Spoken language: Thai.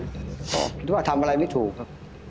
หรือว่าทำอะไรไม่ถูกครับ